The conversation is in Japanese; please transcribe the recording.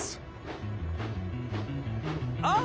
あっ！